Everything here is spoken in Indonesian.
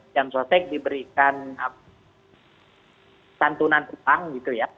jamsotek diberikan santunan utang gitu ya